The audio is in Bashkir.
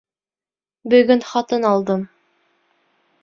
Бөгөн хатын алдым.